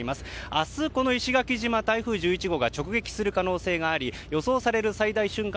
明日、この石垣島台風１１号が直撃する可能性があり予想される最大瞬間